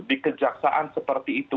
dikejaksaan seperti itu